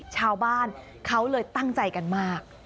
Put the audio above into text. ชาวบ้านเขาเลยตั้งใจกันมาก